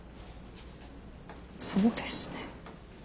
そうですね。